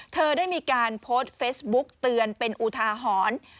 เธอได้มีการโพสต์เฟซบุ๊กเตือนเป็นอุทาหรณ์